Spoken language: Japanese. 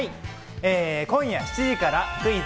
今夜７時から『クイズ！